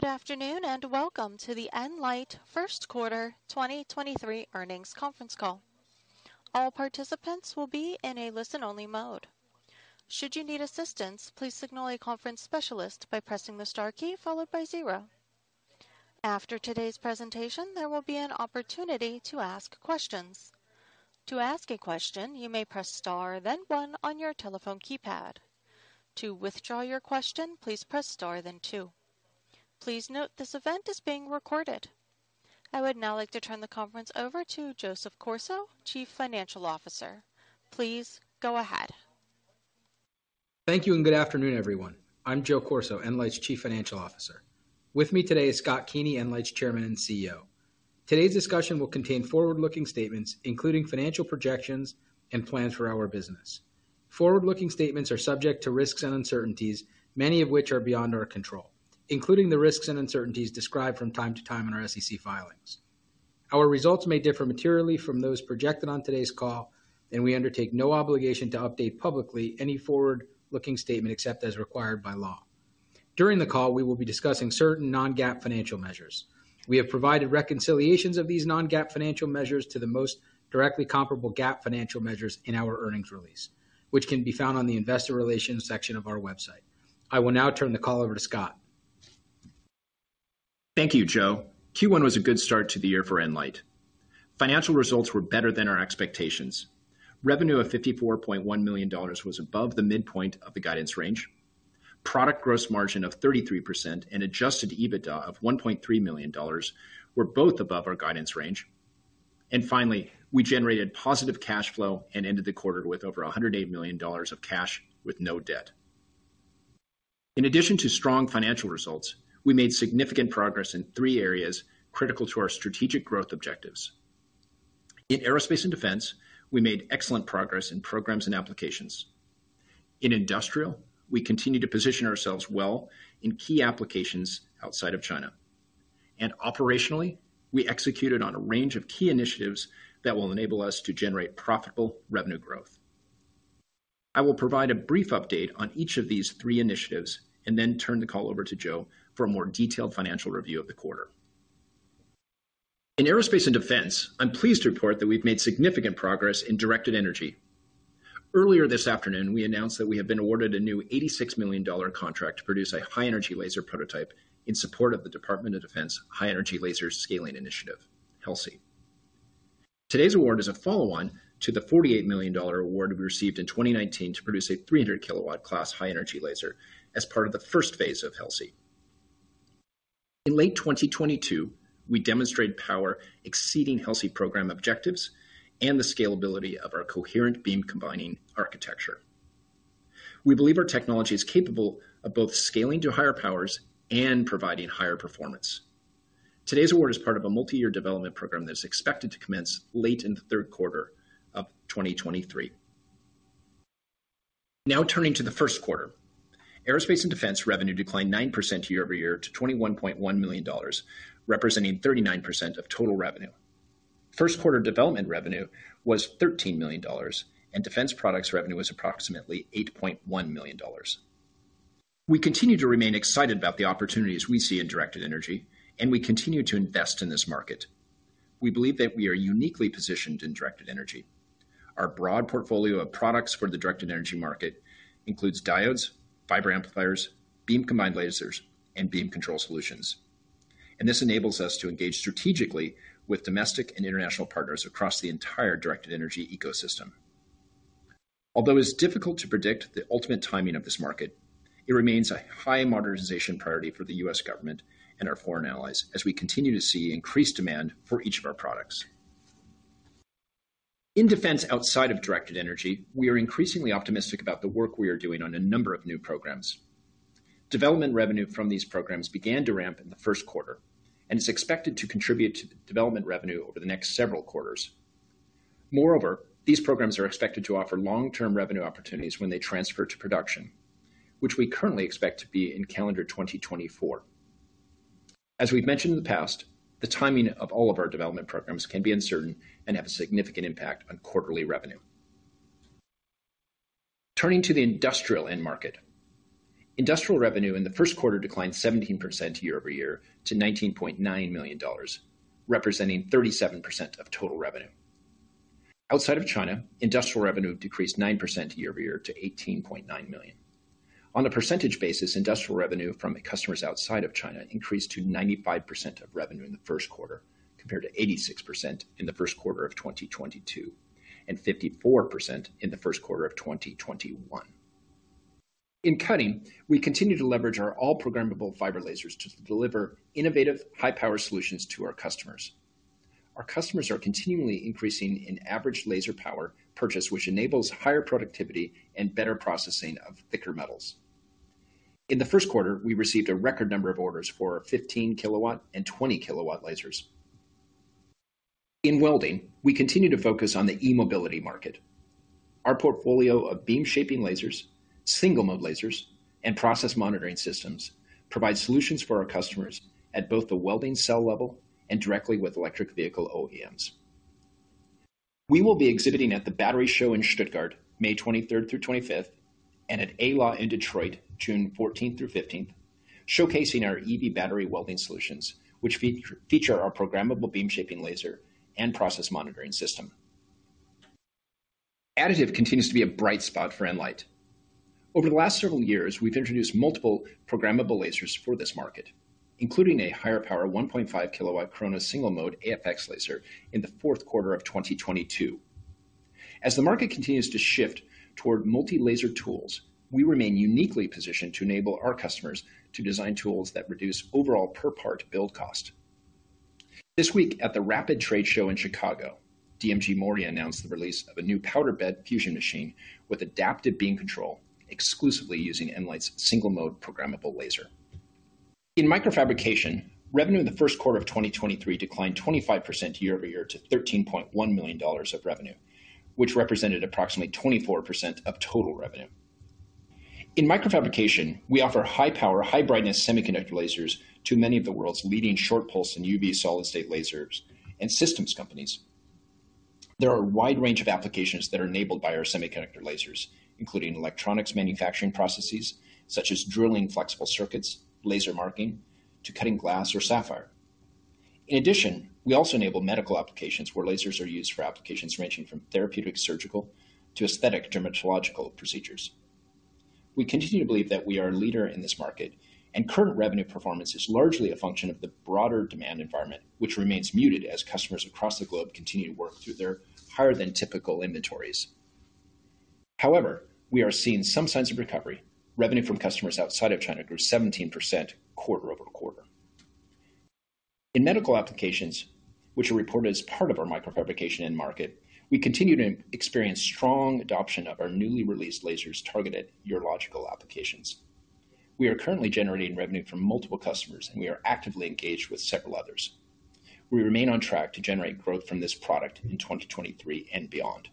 Good afternoon, and welcome to the nLIGHT first quarter 2023 earnings conference call. All participants will be in a listen-only mode. Should you need assistance, please signal a conference specialist by pressing the star key followed by zero. After today's presentation, there will be an opportunity to ask questions. To ask a question, you may press star, then one on your telephone keypad. To withdraw your question, please press star than two. Please note this event is being recorded. I would now like to turn the conference over to Joseph Corso, Chief Financial Officer. Please go ahead. Thank you, and good afternoon, everyone. I'm Joe Corso, nLIGHT's Chief Financial Officer. With me today is Scott Keeney, nLIGHT's Chairman and CEO. Today's discussion will contain forward-looking statements, including financial projections and plans for our business. Forward-looking statements are subject to risks and uncertainties, many of which are beyond our control, including the risks and uncertainties described from time to time in our SEC filings. Our results may differ materially from those projected on today's call, and we undertake no obligation to update publicly any forward-looking statement except as required by law. During the call, we will be discussing certain non-GAAP financial measures. We have provided reconciliations of these non-GAAP financial measures to the most directly comparable GAAP financial measures in our earnings release, which can be found on the investor relations section of our website. I will now turn the call over to Scott. Thank you, Joe. Q1 was a good start to the year for nLIGHT. Financial results were better than our expectations. Revenue of $54.1 million was above the midpoint of the guidance range. Product gross margin of 33% and adjusted EBITDA of $1.3 million were both above our guidance range. Finally, we generated positive cash flow and ended the quarter with over $108 million of cash with no debt. In addition to strong financial results, we made significant progress in three areas critical to our strategic growth objectives. In aerospace and defense, we made excellent progress in programs and applications. In industrial, we continue to position ourselves well in key applications outside of China. Operationally, we executed on a range of key initiatives that will enable us to generate profitable revenue growth. I will provide a brief update on each of these three initiatives and then turn the call over to Joe for a more detailed financial review of the quarter. In aerospace and defense, I'm pleased to report that we've made significant progress in directed energy. Earlier this afternoon, we announced that we have been awarded a new $86 million contract to produce a high-energy laser prototype in support of the Department of Defense High Energy Laser Scaling Initiative, HELSI. Today's award is a follow-on to the $48 million award we received in 2019 to produce a 300 kW class high-energy laser as part of the first phase of HELSI. In late 2022, we demonstrated power exceeding HELSI program objectives and the scalability of our coherent beam combining architecture. We believe our technology is capable of both scaling to higher powers and providing higher performance. Today's award is part of a multi-year development program that is expected to commence late in the third quarter of 2023. Turning to the first quarter. Aerospace and Defense revenue declined 9% year-over-year to $21.1 million, representing 39% of total revenue. First quarter development revenue was $13 million, defense products revenue was approximately $8.1 million. We continue to remain excited about the opportunities we see in directed energy, we continue to invest in this market. We believe that we are uniquely positioned in directed energy. Our broad portfolio of products for the directed energy market includes diodes, fiber amplifiers, beam combined lasers, and beam control solutions. This enables us to engage strategically with domestic and international partners across the entire directed energy ecosystem. Although it's difficult to predict the ultimate timing of this market, it remains a high modernization priority for the U.S. government and our foreign allies as we continue to see increased demand for each of our products. In defense outside of directed energy, we are increasingly optimistic about the work we are doing on a number of new programs. Development revenue from these programs began to ramp in the first quarter and is expected to contribute to the development revenue over the next several quarters. Moreover, these programs are expected to offer long-term revenue opportunities when they transfer to production, which we currently expect to be in calendar 2024. As we've mentioned in the past, the timing of all of our development programs can be uncertain and have a significant impact on quarterly revenue. Turning to the industrial end market. Industrial revenue in the first quarter declined 17% year-over-year to $19.9 million, representing 37% of total revenue. Outside of China, industrial revenue decreased 9% year-over-year to $18.9 million. On a percentage basis, industrial revenue from the customers outside of China increased to 95% of revenue in the first quarter, compared to 86% in the first quarter of 2022 and 54% in the first quarter of 2021. In cutting, we continue to leverage our all programmable fiber lasers to deliver innovative, high-power solutions to our customers. Our customers are continually increasing in average laser power purchase, which enables higher productivity and better processing of thicker metals. In the first quarter, we received a record number of orders for our 15 kW and 20 kW lasers. In welding, we continue to focus on the e-mobility market. Our portfolio of beam shaping lasers, single mode lasers, and process monitoring systems provide solutions for our customers at both the welding cell level and directly with electric vehicle OEMs. We will be exhibiting at The Battery Show in Stuttgart, May 23rd-25th, and at ALAW in Detroit, June 14th-15th, showcasing our EV battery welding solutions, which feature our programmable beam shaping laser and process monitoring system. Additive continues to be a bright spot for nLIGHT. Over the last several years, we've introduced multiple programmable lasers for this market, including a higher power 1.5 kW Corona single mode AFX laser in the fourth quarter of 2022. The market continues to shift toward multi-laser tools, we remain uniquely positioned to enable our customers to design tools that reduce overall per part build cost. This week at the RAPID + TCT in Chicago, DMG MORI announced the release of a new powder bed fusion machine with adaptive beam control, exclusively using nLIGHT's single mode programmable laser. In microfabrication, revenue in the first quarter of 2023 declined 25% year-over-year to $13.1 million of revenue, which represented approximately 24% of total revenue. In microfabrication, we offer high power, high brightness semiconductor lasers to many of the world's leading short pulse and UV solid-state lasers and systems companies. There are a wide range of applications that are enabled by our semiconductor lasers, including electronics manufacturing processes such as drilling flexible circuits, laser marking to cutting glass or sapphire. In addition, we also enable medical applications where lasers are used for applications ranging from therapeutic surgical to aesthetic dermatological procedures. We continue to believe that we are a leader in this market, and current revenue performance is largely a function of the broader demand environment, which remains muted as customers across the globe continue to work through their higher than typical inventories. However, we are seeing some signs of recovery. Revenue from customers outside of China grew 17% quarter-over-quarter. In medical applications, which are reported as part of our microfabrication end market, we continue to experience strong adoption of our newly released lasers targeted urological applications. We are currently generating revenue from multiple customers, and we are actively engaged with several others. We remain on track to generate growth from this product in 2023 and beyond.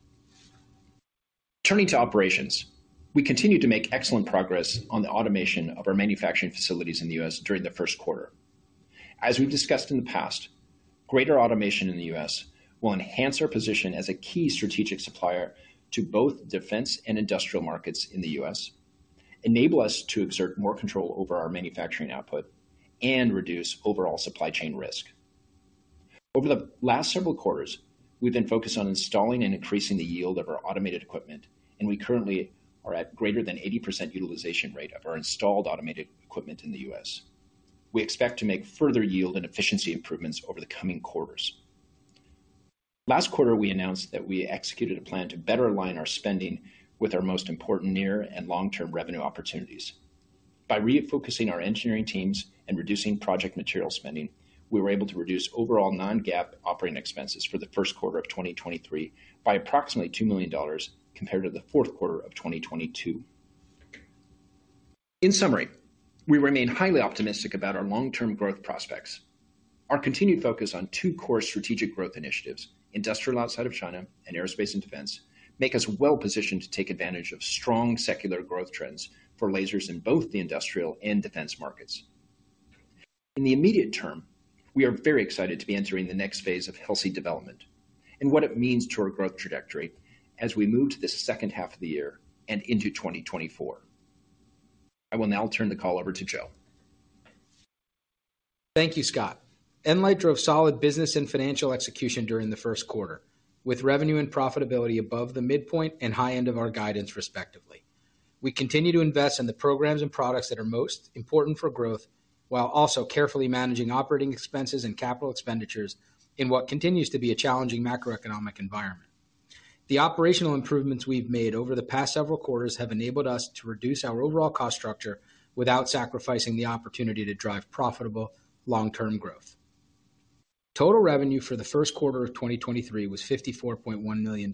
Turning to operations. We continue to make excellent progress on the automation of our manufacturing facilities in the U.S. during the first quarter. As we've discussed in the past, greater automation in the U.S. will enhance our position as a key strategic supplier to both defense and industrial markets in the U.S., enable us to exert more control over our manufacturing output, and reduce overall supply chain risk. Over the last several quarters, we've been focused on installing and increasing the yield of our automated equipment, and we currently are at greater than 80% utilization rate of our installed automated equipment in the U.S. We expect to make further yield and efficiency improvements over the coming quarters. Last quarter, we announced that we executed a plan to better align our spending with our most important near and long-term revenue opportunities. By refocusing our engineering teams and reducing project material spending, we were able to reduce overall non-GAAP operating expenses for the first quarter of 2023 by approximately $2 million compared to the fourth quarter of 2022. In summary, we remain highly optimistic about our long-term growth prospects. Our continued focus on two core strategic growth initiatives, industrial outside of China and aerospace and defense, make us well-positioned to take advantage of strong secular growth trends for lasers in both the industrial and defense markets. In the immediate term, we are very excited to be entering the next phase of HELSI development and what it means to our growth trajectory as we move to the second half of the year and into 2024. I will now turn the call over to Joe. Thank you, Scott. nLIGHT drove solid business and financial execution during the first quarter, with revenue and profitability above the midpoint and high end of our guidance, respectively. We continue to invest in the programs and products that are most important for growth while also carefully managing operating expenses and capital expenditures in what continues to be a challenging macroeconomic environment. The operational improvements we've made over the past several quarters have enabled us to reduce our overall cost structure without sacrificing the opportunity to drive profitable long-term growth. Total revenue for the first quarter of 2023 was $54.1 million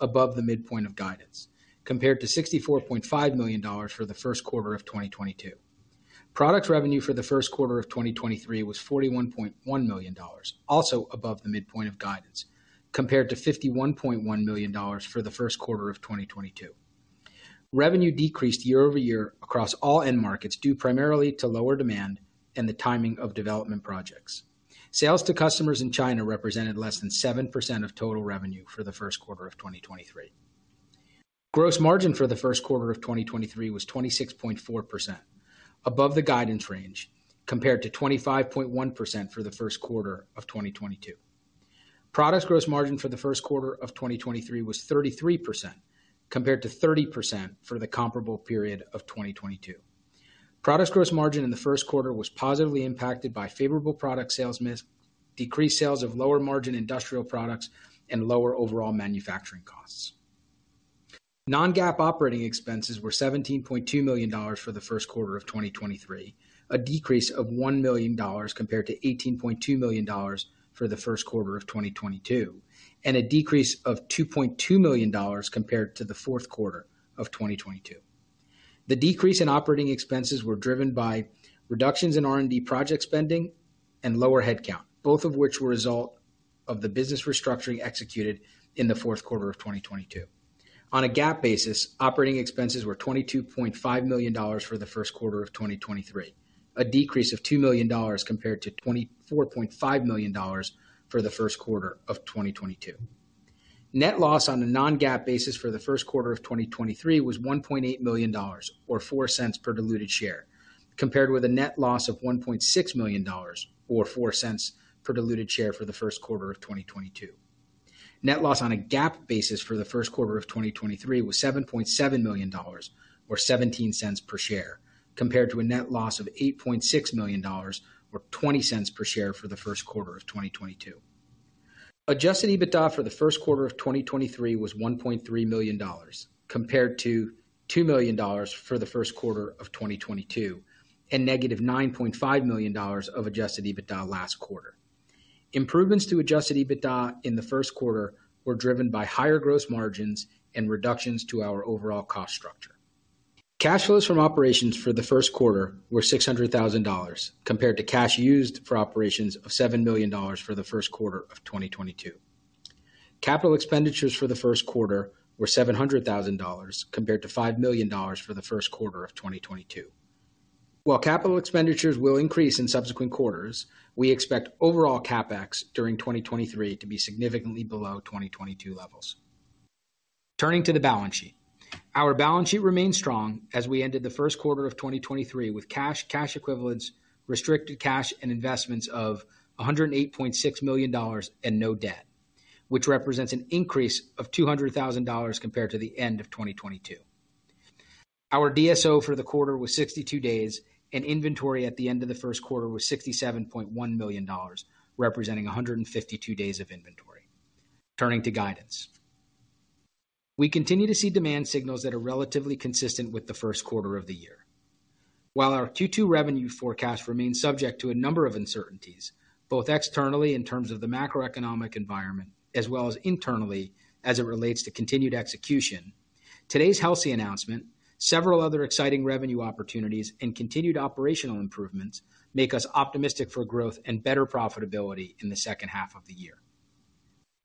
above the midpoint of guidance, compared to $64.5 million for the first quarter of 2022. Product revenue for the first quarter of 2023 was $41.1 million, also above the midpoint of guidance, compared to $51.1 million for the first quarter of 2022. Revenue decreased year-over-year across all end markets, due primarily to lower demand and the timing of development projects. Sales to customers in China represented less than 7% of total revenue for the first quarter of 2023. Gross margin for the first quarter of 2023 was 26.4% above the guidance range, compared to 25.1% for the first quarter of 2022. Product gross margin for the first quarter of 2023 was 33%, compared to 30% for the comparable period of 2022. Product gross margin in the first quarter was positively impacted by favorable product sales mix, decreased sales of lower margin industrial products, and lower overall manufacturing costs. Non-GAAP operating expenses were $17.2 million for the first quarter of 2023, a decrease of $1 million compared to $18.2 million for the first quarter of 2022, and a decrease of $2.2 million compared to the fourth quarter of 2022. The decrease in operating expenses were driven by reductions in R&D project spending and lower headcount, both of which were a result of the business restructuring executed in the fourth quarter of 2022. On a GAAP basis, operating expenses were $22.5 million for the first quarter of 2023, a decrease of $2 million compared to $24.5 million for the first quarter of 2022. Net loss on a non-GAAP basis for the first quarter of 2023 was $1.8 million or $0.04 per diluted share, compared with a net loss of $1.6 million or $0.04 per diluted share for the first quarter of 2022. Net loss on a GAAP basis for the first quarter of 2023 was $7.7 million or $0.17 per share, compared to a net loss of $8.6 million or $0.20 per share for the first quarter of 2022. Adjusted EBITDA for the first quarter of 2023 was $1.3 million compared to $2 million for the first quarter of 2022, and -$9.5 million of adjusted EBITDA last quarter. Improvements to adjusted EBITDA in the first quarter were driven by higher gross margins and reductions to our overall cost structure. Cash flows from operations for the first quarter were $600,000 compared to cash used for operations of $7 million for the first quarter of 2022. Capital expenditures for the first quarter were $700,000 compared to $5 million for the first quarter of 2022. While capital expenditures will increase in subsequent quarters, we expect overall CapEx during 2023 to be significantly below 2022 levels. Turning to the balance sheet. Our balance sheet remains strong as we ended the first quarter of 2023 with cash equivalents, restricted cash and investments of $108.6 million and no debt, which represents an increase of $200,000 compared to the end of 2022. Our DSO for the quarter was 62 days, and inventory at the end of the first quarter was $67.1 million, representing 152 days of inventory. Turning to guidance. We continue to see demand signals that are relatively consistent with the first quarter of the year. While our Q2 revenue forecast remains subject to a number of uncertainties, both externally in terms of the macroeconomic environment as well as internally as it relates to continued execution, today's HELSI announcement, several other exciting revenue opportunities and continued operational improvements make us optimistic for growth and better profitability in the second half of the year.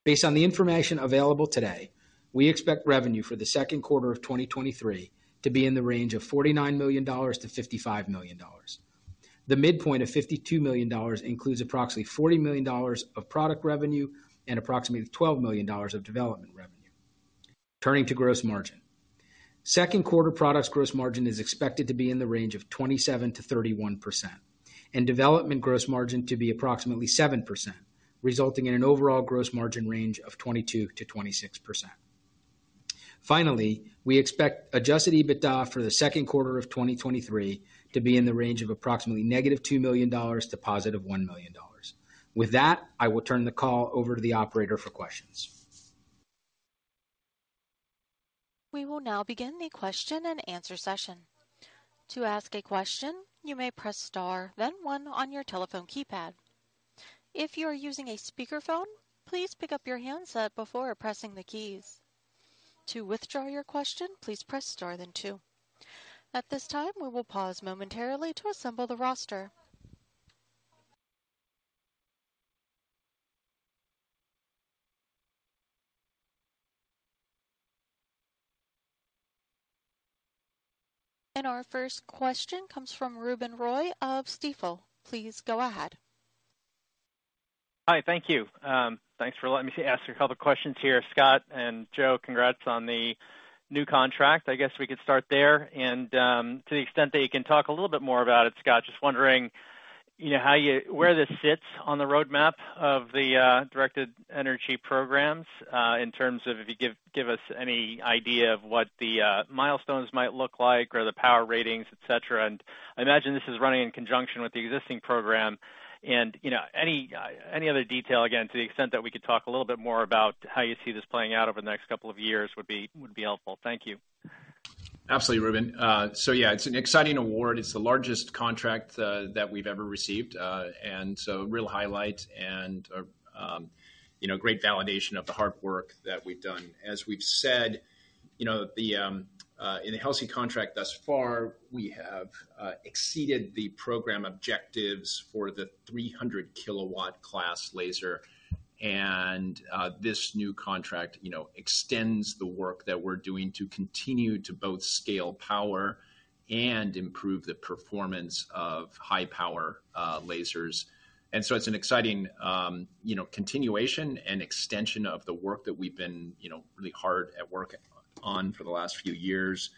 Based on the information available today, we expect revenue for the second quarter of 2023 to be in the range of $49 million-$55 million. The midpoint of $52 million includes approximately $40 million of product revenue and approximately $12 million of development revenue. Turning to gross margin. Second quarter products gross margin is expected to be in the range of 27%-31% and development gross margin to be approximately 7%, resulting in an overall gross margin range of 22%-26%. Finally, we expect adjusted EBITDA for the second quarter of 2023 to be in the range of approximately -$2 million to +$1 million. With that, I will turn the call over to the operator for questions. We will now begin the question and answer session. To ask a question, you may press star then one on your telephone keypad. If you are using a speakerphone, please pick up your handset before pressing the keys. To withdraw your question, please press star then two. At this time, we will pause momentarily to assemble the roster. Our first question comes from Ruben Roy of Stifel. Please go ahead. Hi. Thank you. Thanks for letting me ask a couple of questions here. Scott and Joe, congrats on the new contract. I guess we could start there and, to the extent that you can talk a little bit more about it, Scott, just wondering, you know, how where this sits on the roadmap of the directed energy programs, in terms of if you give us any idea of what the milestones might look like or the power ratings, et cetera. I imagine this is running in conjunction with the existing program and, you know, any other detail, again, to the extent that we could talk a little bit more about how you see this playing out over the next couple of years would be helpful. Thank you. Absolutely, Ruben. Yeah, it's an exciting award. It's the largest contract that we've ever received, and so real highlight and, you know, great validation of the hard work that we've done. As we've said, you know, the in the HELSI contract thus far, we have exceeded the program objectives for the 300 kW class laser. This new contract, you know, extends the work that we're doing to continue to both scale power and improve the performance of high power lasers. It's an exciting, you know, continuation and extension of the work that we've been, you know, really hard at work on for the last few years,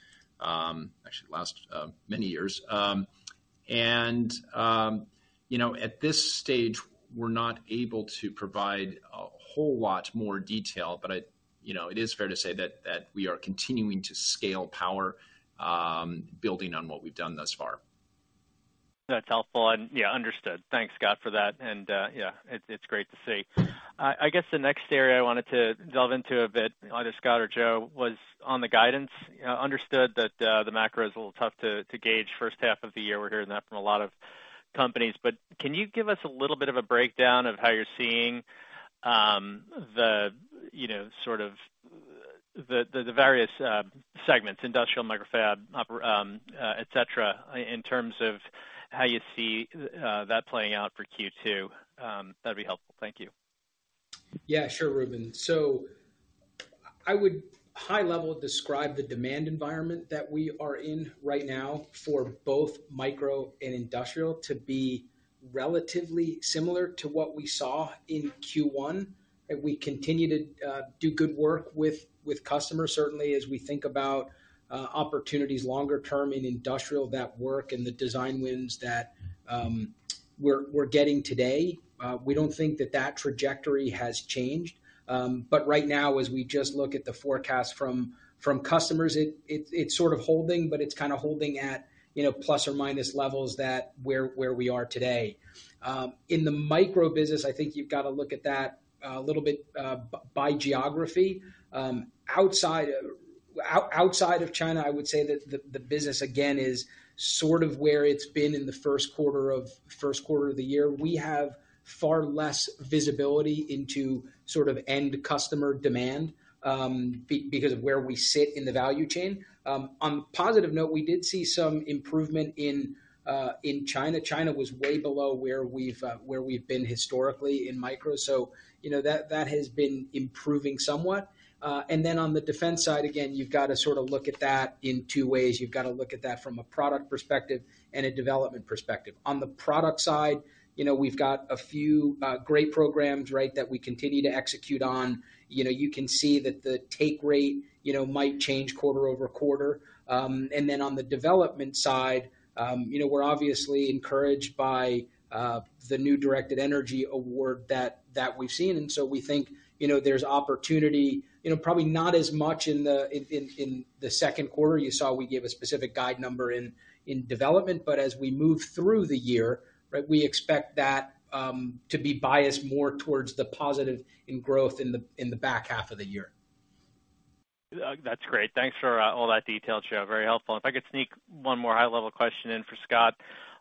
actually the last many years. You know, at this stage, we're not able to provide a whole lot more detail, but you know, it is fair to say that we are continuing to scale power, building on what we've done thus far. That's helpful. Yeah, understood. Thanks, Scott, for that. Yeah, it's great to see. I guess the next area I wanted to delve into a bit, either Scott or Joe, was on the guidance. Understood that the macro is a little tough to gauge first half of the year. We're hearing that from a lot of companies. Can you give us a little bit of a breakdown of how you're seeing the, you know, sort of the various segments, industrial, microfab, et cetera, in terms of how you see that playing out for Q2, that'd be helpful. Thank you. Yeah, sure, Ruben. I would high level describe the demand environment that we are in right now for both micro and industrial to be relatively similar to what we saw in Q1. We continue to do good work with customers, certainly as we think about opportunities longer term in industrial that work and the design wins that we're getting today. We don't think that that trajectory has changed. Right now, as we just look at the forecast from customers, it's sort of holding, but it's kind of holding at, you know, plus or minus levels that where we are today. In the micro business, I think you've got to look at that a little bit by geography. Outside of China, I would say that the business, again, is sort of where it's been in the first quarter of the year. We have far less visibility into sort of end customer demand because of where we sit in the value chain. On a positive note, we did see some improvement in China. China was way below where we've been historically in micro. You know, that has been improving somewhat. On the defense side, again, you've got to sort of look at that in two ways. You've got to look at that from a product perspective and a development perspective. On the product side, you know, we've got a few great programs, right, that we continue to execute on. You know, you can see that the take rate, you know, might change quarter over quarter. Then on the development side, you know, we're obviously encouraged by the new directed energy award that we've seen. We think, you know, there's opportunity, you know, probably not as much in the second quarter. You saw we gave a specific guide number in development, as we move through the year, right, we expect that to be biased more towards the positive in growth in the back half of the year. That's great. Thanks for all that detail, Joe. Very helpful. If I could sneak one more high-level question in for Scott.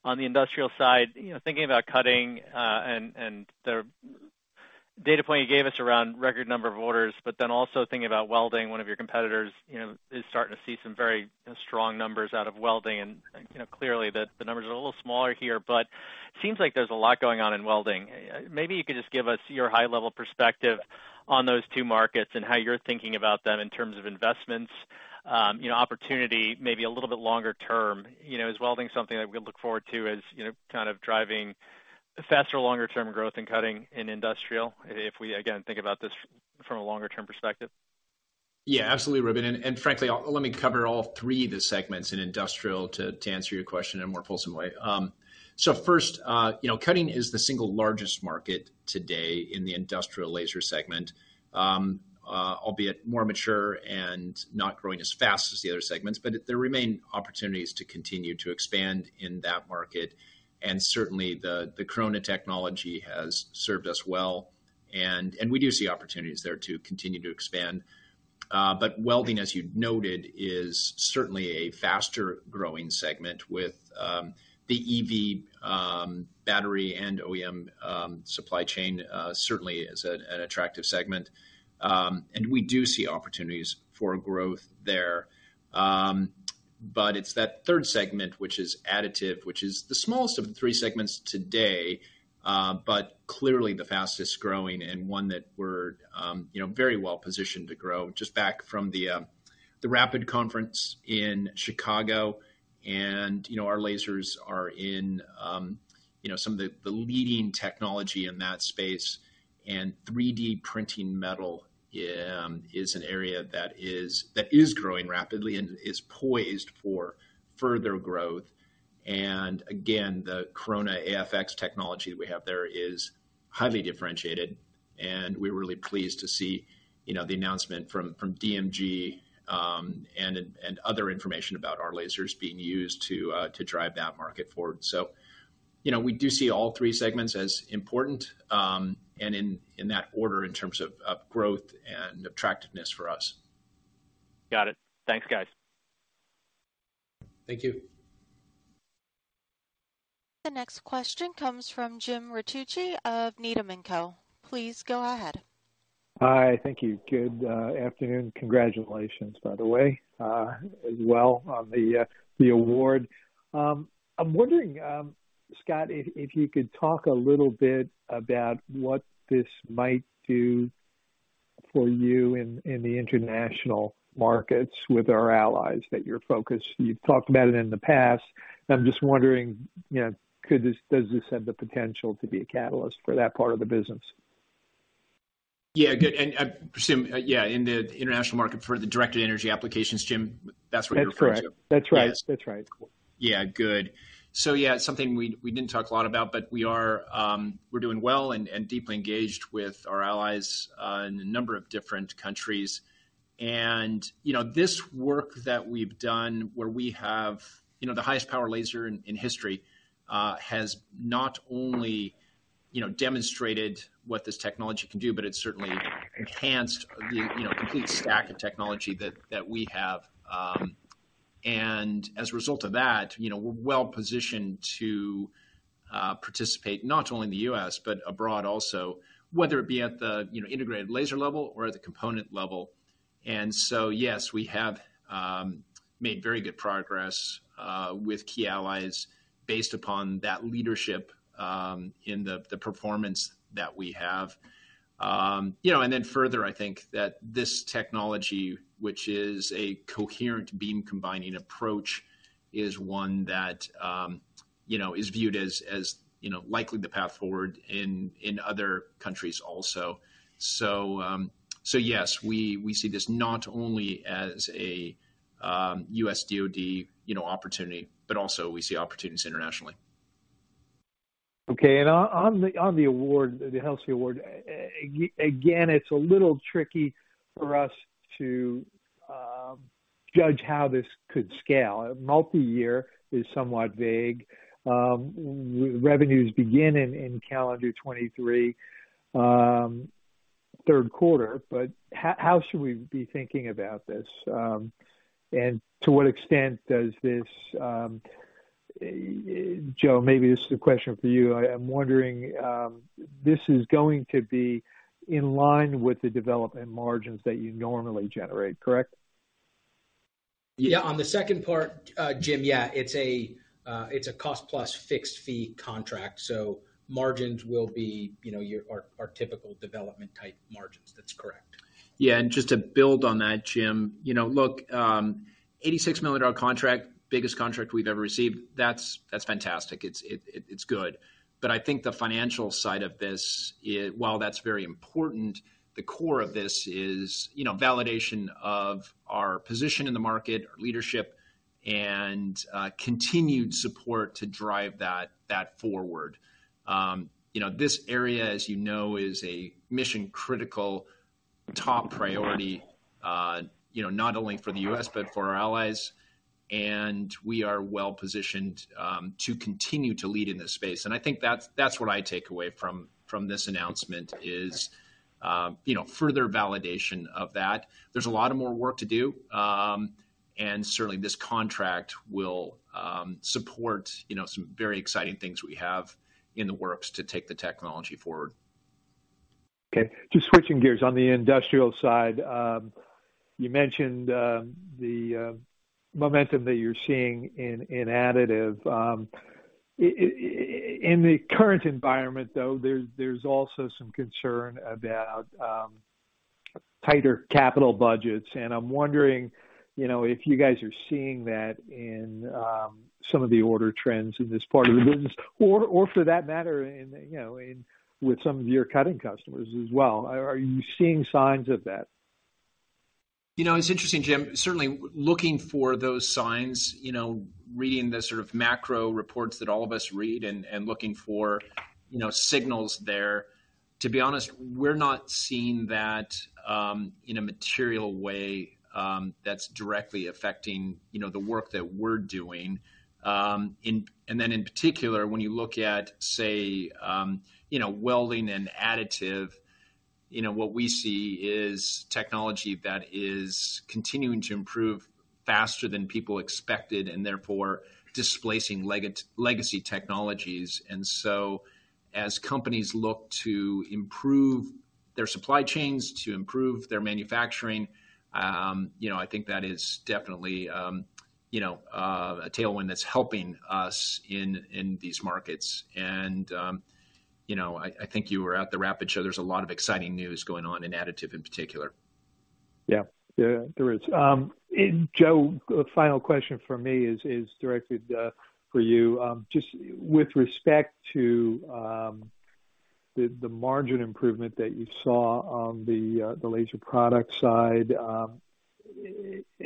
On the industrial side, you know, thinking about cutting, and the data point you gave us around record number of orders, also thinking about welding, one of your competitors, you know, is starting to see some very strong numbers out of welding. You know, clearly the numbers are a little smaller here, but seems like there's a lot going on in welding. Maybe you could just give us your high-level perspective on those two markets and how you're thinking about them in terms of investments, you know, opportunity, maybe a little bit longer term. You know, is welding something that we look forward to as, you know, kind of driving faster, longer-term growth in cutting in industrial if we, again, think about this from a longer-term perspective? Yeah, absolutely, Ruben. Frankly, let me cover all three of the segments in industrial to answer your question in a more fulsome way. First, you know, cutting is the single largest market today in the industrial laser segment. Albeit more mature and not growing as fast as the other segments, but there remain opportunities to continue to expand in that market. Certainly, the Corona technology has served us well. We do see opportunities there to continue to expand. Welding, as you noted, is certainly a faster-growing segment With the EV battery and OEM supply chain certainly is an attractive segment. We do see opportunities for growth there. It's that third segment, which is additive, which is the smallest of the three segments today, but clearly the fastest-growing and one that we're, you know, very well positioned to grow. Just back from the RAPID conference in Chicago, and, you know, our lasers are in, you know, some of the leading technology in that space, and 3D printing metal, is an area that is, that is growing rapidly and is poised for further growth. Again, the Corona AFX technology we have there is highly differentiated, and we're really pleased to see, you know, the announcement from DMG, and other information about our lasers being used to drive that market forward. you know, we do see all three segments as important, and in that order in terms of growth and attractiveness for us. Got it. Thanks, guys. Thank you. The next question comes from James Ricchiuti of Needham & Company. Please go ahead. Hi. Thank you. Good afternoon. Congratulations, by the way, as well on the award. I'm wondering, Scott, if you could talk a little bit about what this might do for you in the international markets with our allies that you're focused. You've talked about it in the past. I'm just wondering, you know, does this have the potential to be a catalyst for that part of the business? Yeah. Good. I presume, yeah, in the international market for the directed energy applications, Jim, that's what you're referring to. That's correct. That's right. That's right. Yeah. Good. Yeah, something we didn't talk a lot about, but we are, we're doing well and deeply engaged with our allies in a number of different countries. You know, this work that we've done where we have, you know, the highest power laser in history, has not only, you know, demonstrated what this technology can do, but it's certainly enhanced the, you know, complete stack of technology that we have. As a result of that, you know, we're well positioned to participate not only in the U.S., but abroad also, whether it be at the, you know, integrated laser level or at the component level. Yes, we have made very good progress with key allies based upon that leadership in the performance that we have. You know, further, I think that this technology, which is a coherent beam combining approach, is one that, you know, is viewed as, you know, likely the path forward in other countries also. Yes, we see this not only as a U.S. DoD, you know, opportunity, but also we see opportunities internationally. Okay. On the award, the HELSI award, again, it's a little tricky for us to judge how this could scale. Multi-year is somewhat vague. Revenues begin in calendar 2023, third quarter, but how should we be thinking about this? To what extent does this... Joe, maybe this is a question for you. I'm wondering, this is going to be in line with the development margins that you normally generate, correct? Yeah. On the second part, Jim, yeah, it's a cost-plus-fixed-fee contract. Margins will be, you know, our typical development type margins. That's correct. Yeah. Just to build on that, Jim, you know, look, $86 million contract, biggest contract we've ever received. That's fantastic. It's good. I think the financial side of this is, while that's very important, the core of this is, you know, validation of our position in the market, our leadership, and continued support to drive that forward. You know, this area, as you know, is a mission-critical top priority, you know, not only for the U.S. but for our allies, we are well-positioned to continue to lead in this space. I think that's what I take away from this announcement, is, you know, further validation of that. There's a lot of more work to do, and certainly this contract will support, you know, some very exciting things we have in the works to take the technology forward. Okay. Just switching gears. On the industrial side, you mentioned the momentum that you're seeing in additive. In the current environment, though, there's also some concern about tighter capital budgets, and I'm wondering, you know, if you guys are seeing that in some of the order trends in this part of the business or for that matter in, you know, with some of your cutting customers as well. Are you seeing signs of that? You know, it's interesting, Jim. Certainly looking for those signs, you know, reading the sort of macro reports that all of us read and looking for, you know, signals there. To be honest, we're not seeing that in a material way that's directly affecting, you know, the work that we're doing. And then in particular, when you look at say, you know, welding and additive, you know, what we see is technology that is continuing to improve faster than people expected and therefore displacing legacy technologies. As companies look to improve their supply chains, to improve their manufacturing, you know, I think that is definitely, you know, a tailwind that's helping us in these markets. You know, I think you were at the RAPID show. There's a lot of exciting news going on in additive in particular. Yeah. Yeah. There is. Joe, final question from me is directed for you. Just with respect to the margin improvement that you saw on the laser product side,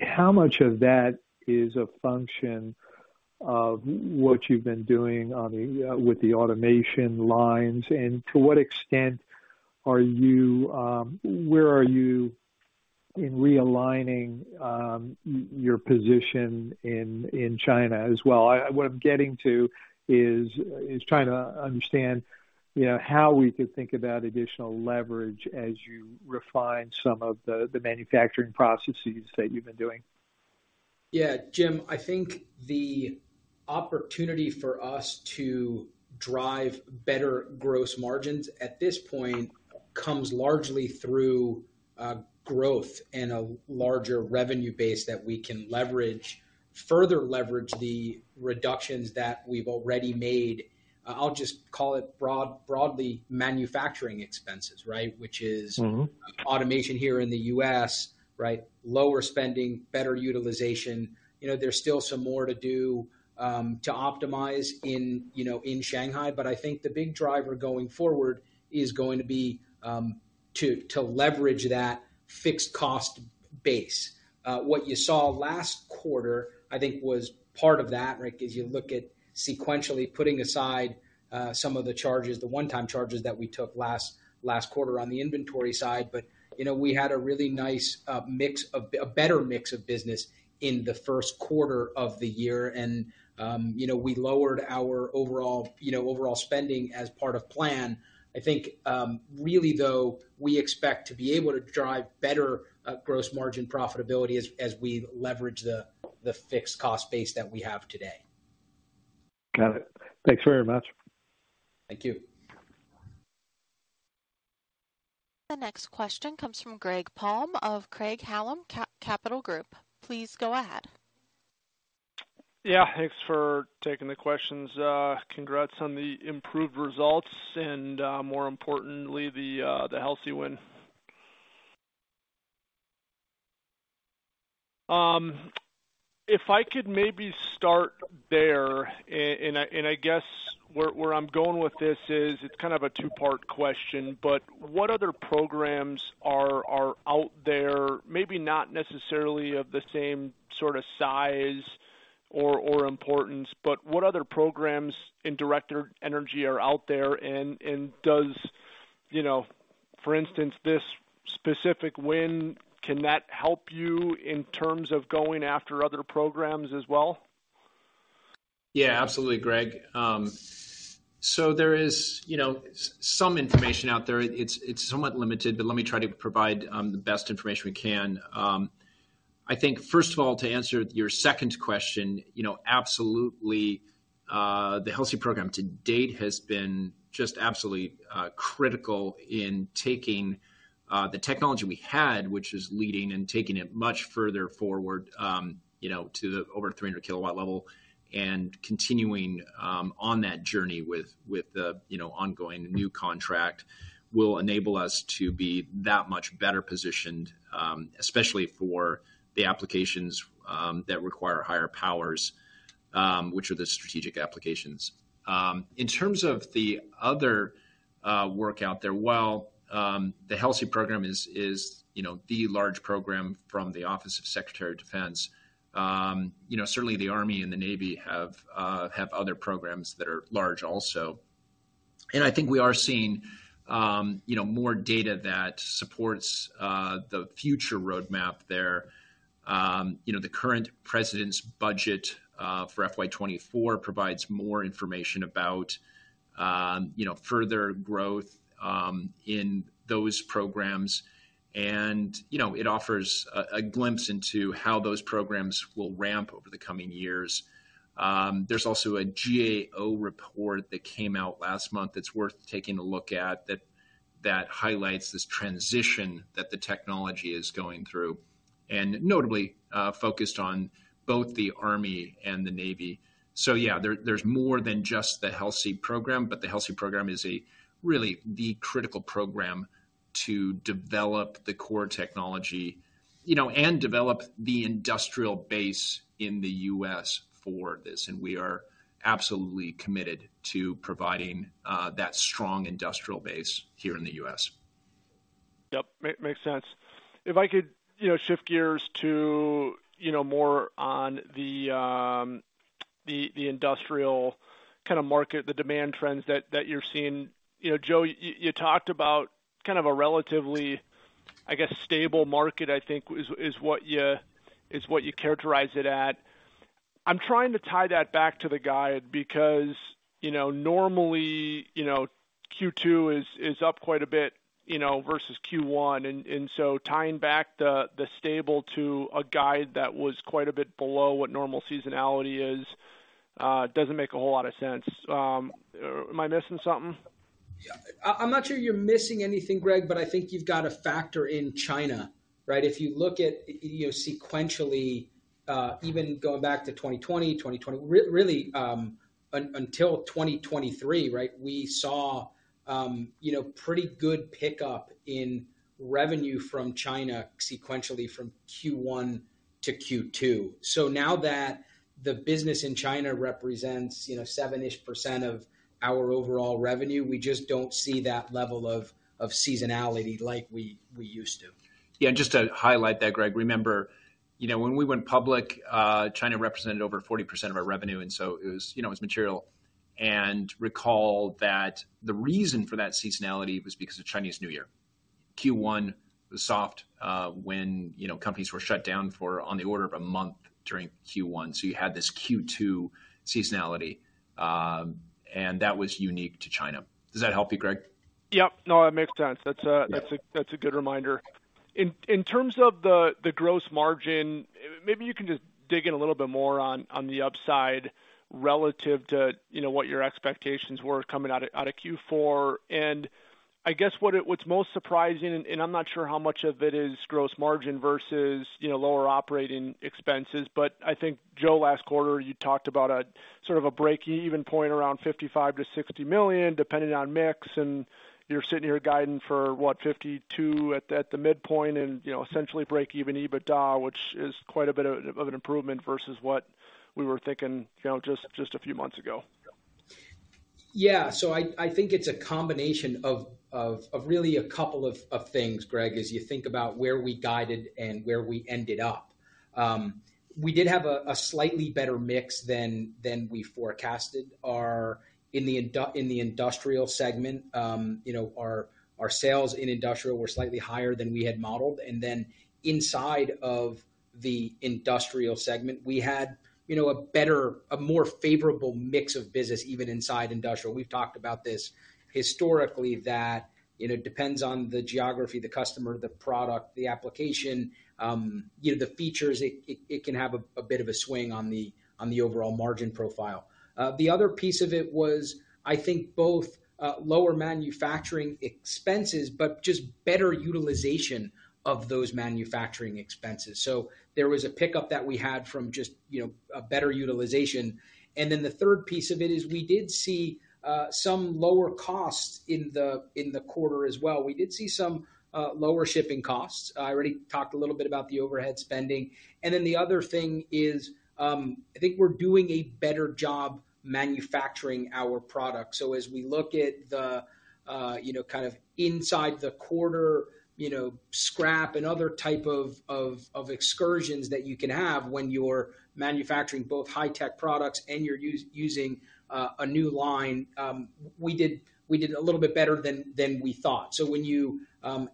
how much of that is a function of what you've been doing on the with the automation lines, and to what extent are you where are you in realigning your position in China as well? What I'm getting to is trying to understand, you know, how we could think about additional leverage as you refine some of the manufacturing processes that you've been doing. Yeah. Jim, I think the opportunity for us to drive better gross margins at this point comes largely through growth and a larger revenue base that we can leverage, further leverage the reductions that we've already made. I'll just call it broadly manufacturing expenses, right? Mm-hmm Automation here in the U.S., right? Lower spending, better utilization. You know, there's still some more to do to optimize in, you know, in Shanghai, but I think the big driver going forward is going to be to leverage that fixed cost base. What you saw last quarter, I think was part of that, right? 'Cause you look at sequentially putting aside some of the charges, the one-time charges that we took last quarter on the inventory side. We had a really nice a better mix of business in the first quarter of the year and, you know, we lowered our overall spending as part of plan. I think, really though, we expect to be able to drive better, gross margin profitability as we leverage the fixed cost base that we have today. Got it. Thanks very much. Thank you. The next question comes from Greg Palm of Craig-Hallum Capital Group. Please go ahead. Yeah, thanks for taking the questions. Congrats on the improved results and, more importantly, the HELSI win. If I could maybe start there, and I guess where I'm going with this is it's kind of a two-part question, but what other programs are out there, maybe not necessarily of the same sort of size or importance, but what other programs in directed energy are out there and does, you know, for instance, this specific win, can that help you in terms of going after other programs as well? Yeah, absolutely, Greg. There is, you know, some information out there. It's somewhat limited, but let me try to provide the best information we can. I think, first of all, to answer your second question, you know, absolutely, the HELSI program to date has been just absolutely critical in taking the technology we had, which is leading and taking it much further forward, you know, to the over 300 kW level and continuing on that journey with the, you know, ongoing new contract will enable us to be that much better positioned, especially for the applications that require higher powers, which are the strategic applications. In terms of the other work out there, while the HELSI program is, you know, the large program from the Office of the Secretary of Defense, you know, certainly the Army and the Navy have other programs that are large also. I think we are seeing, you know, more data that supports the future roadmap there. You know, the current President's budget for FY 2024 provides more information about, you know, further growth in those programs. You know, it offers a glimpse into how those programs will ramp over the coming years. There's also a GAO report that came out last month that's worth taking a look at that highlights this transition that the technology is going through and notably focused on both the Army and the Navy. Yeah, there's more than just the HELSI program, but the HELSI program is a really the critical program to develop the core technology, you know, and develop the industrial base in the U.S. for this. We are absolutely committed to providing that strong industrial base here in the U.S. Yep, makes sense. If I could, you know, shift gears to, you know, more on the, the industrial kind of market, the demand trends that you're seeing. You know, Joe, you talked about kind of a relatively, I guess, stable market, I think is what you, is what you characterize it at. I'm trying to tie that back to the guide because, you know, normally, you know, Q2 is up quite a bit, you know, versus Q1, and so tying back the stable to a guide that was quite a bit below what normal seasonality is, doesn't make a whole lot of sense. Am I missing something? I'm not sure you're missing anything, Greg, but I think you've got to factor in China, right? If you look at, you know, sequentially, even going back to 2020, really until 2023, right? We saw, you know, pretty good pickup in revenue from China sequentially from Q1 to Q2. Now that the business in China represents, you know, 7-ish% of our overall revenue, we just don't see that level of seasonality like we used to. Yeah. Just to highlight that, Greg, remember, you know, when we went public, China represented over 40% of our revenue, and so it was, you know, it was material. Recall that the reason for that seasonality was because of Chinese New Year. Q1 was soft, when, you know, companies were shut down for on the order of a month during Q1. You had this Q2 seasonality, and that was unique to China. Does that help you, Greg? Yep. No, that makes sense. That's a, that's a, that's a good reminder. In terms of the gross margin, maybe you can just dig in a little bit more on the upside relative to, you know, what your expectations were coming out of Q4. I guess what's most surprising, and I'm not sure how much of it is gross margin versus, you know, lower operating expenses, but I think, Joe, last quarter, you talked about a sort of a breakeven point around $55 million-$60 million, depending on mix, and you're sitting here guiding for, what, $52 million at the midpoint and, you know, essentially breakeven EBITDA, which is quite a bit of an improvement versus what we were thinking, you know, just a few months ago. I think it's a combination of really a couple of things, Greg, as you think about where we guided and where we ended up. We did have a slightly better mix than we forecasted in the industrial segment. You know, our sales in industrial were slightly higher than we had modeled, and then inside of the industrial segment, we had, you know, a better, a more favorable mix of business even inside industrial. We've talked about this historically that, you know, depends on the geography, the customer, the product, the application, you know, the features. It can have a bit of a swing on the overall margin profile. The other piece of it was, I think both lower manufacturing expenses, but just better utilization of those manufacturing expenses. There was a pickup that we had from just, you know, a better utilization. The third piece of it is we did see some lower costs in the quarter as well. We did see some lower shipping costs. I already talked a little bit about the overhead spending. The other thing is, I think we're doing a better job manufacturing our products. As we look at the, you know, kind of inside the quarter, you know, scrap and other type of excursions that you can have when you're manufacturing both high-tech products and you're using a new line, we did a little bit better than we thought. When you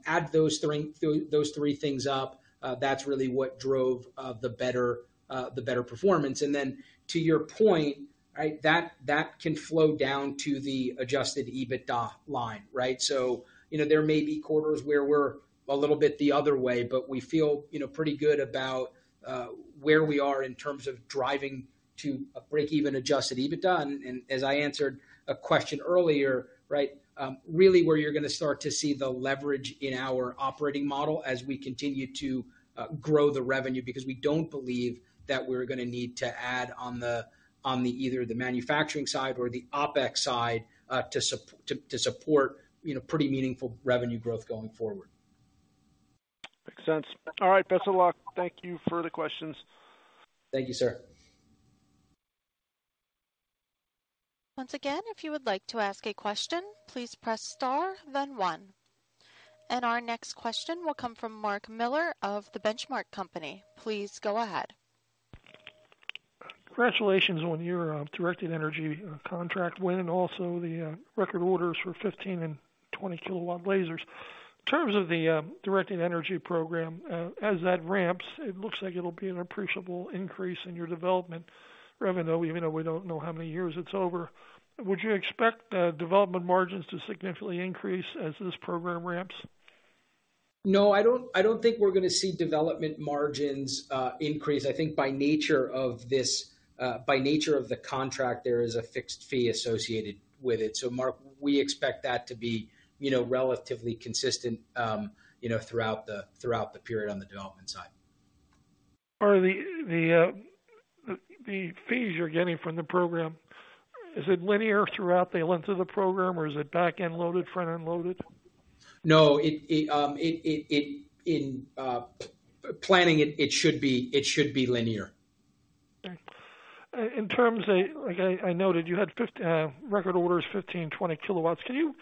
add those three things up, that's really what drove the better performance. To your point, right? That can flow down to the adjusted EBITDA line, right? You know, there may be quarters where we're a little bit the other way, but we feel, you know, pretty good about where we are in terms of driving to a breakeven adjusted EBITDA. As I answered a question earlier, right, really where you're gonna start to see the leverage in our operating model as we continue to grow the revenue. We don't believe that we're gonna need to add on the either the manufacturing side or the OpEx side to support, you know, pretty meaningful revenue growth going forward. Makes sense. All right, best of luck. Thank you. Further questions. Thank you, sir. Once again, if you would like to ask a question, please press star then one. Our next question will come from Mark Miller of The Benchmark Company. Please go ahead. Congratulations on your directed energy contract win, and also the record orders for 15 kW and 20 kW lasers. In terms of the directed energy program, as that ramps, it looks like it'll be an appreciable increase in your development revenue, even though we don't know how many years it's over. Would you expect the development margins to significantly increase as this program ramps? No, I don't think we're gonna see development margins increase. I think by nature of this, by nature of the contract, there is a fixed fee associated with it. Mark, we expect that to be, you know, relatively consistent, you know, throughout the period on the development side. Are the fees you're getting from the program, is it linear throughout the length of the program, or is it back-end loaded, front-end loaded? No, it in planning it should be linear. Okay. In terms of like I noted you had record orders 15 kW, 20 kW. Can you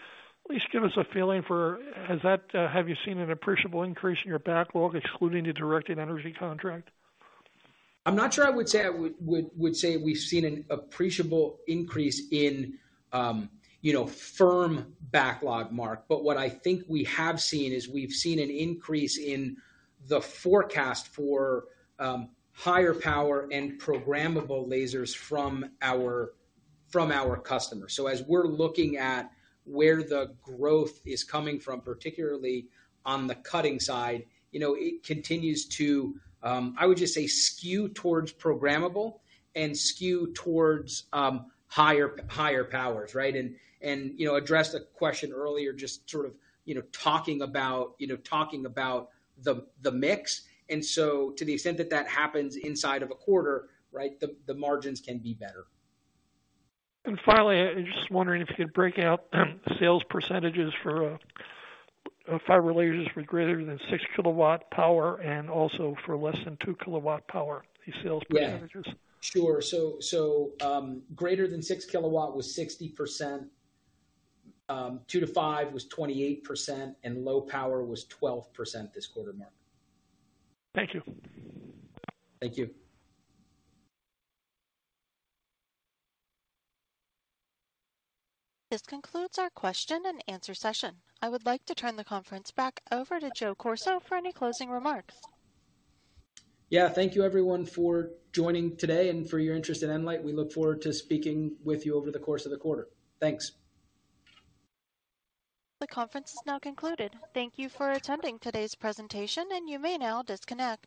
at least give us a feeling for has that, have you seen an appreciable increase in your backlog excluding the directed energy contract? I'm not sure I would say we've seen an appreciable increase in, you know, firm backlog, Mark. What I think we have seen is we've seen an increase in the forecast for higher power and programmable lasers from our customers. As we're looking at where the growth is coming from, particularly on the cutting side, you know, it continues to, I would just say skew towards programmable and skew towards higher powers, right? You know, address the question earlier, just sort of, you know, talking about the mix. To the extent that that happens inside of a quarter, right, the margins can be better. Finally, I'm just wondering if you could break out sales percentage for fiber lasers with greater than 6 kW power and also for less than 2 kW power, the sales percentage. Yeah. Sure. Greater than 6 kW was 60%, 2 kW-5 kW was 28% and low power was 12% this quarter, Mark. Thank you. Thank you. This concludes our question and answer session. I would like to turn the conference back over to Joe Corso for any closing remarks. Yeah, thank you everyone for joining today and for your interest in nLIGHT. We look forward to speaking with you over the course of the quarter. Thanks. The conference is now concluded. Thank you for attending today's presentation, and you may now disconnect.